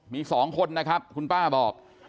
มี๒คนนะครับคุณป้าบอก